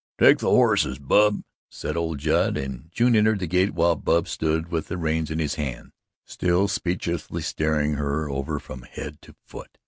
"Take the horses, Bub," said old Judd, and June entered the gate while Bub stood with the reins in his hand, still speechlessly staring her over from head to foot.